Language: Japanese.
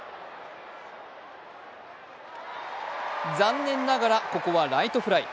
残念ながらここはライトフライ。